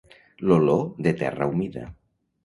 L’olor de terra humida.